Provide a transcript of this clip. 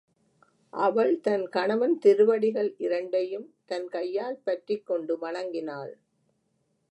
அவள் தன் கணவன் திருவடிகள் இரண்டையும் தன் கையால் பற்றிக் கொண்டு வணங்கினாள்.